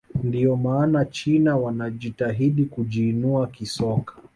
ndio maana china wanajitahidi kujiinua kisoka